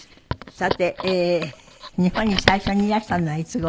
さて日本に最初にいらしたのはいつ頃？